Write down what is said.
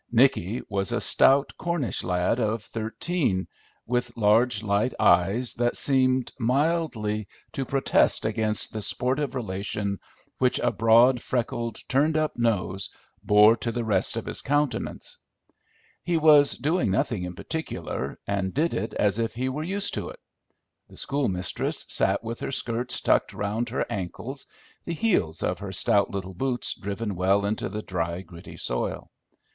Nicky was a stout Cornish lad of thirteen, with large light eyes that seemed mildly to protest against the sportive relation which a broad, freckled, turned up nose bore to the rest of his countenance; he was doing nothing in particular, and did it as if he were used to it. The schoolmistress sat with her skirts tucked round her ankles, the heels of her stout little boots driven well into the dry, gritty soil.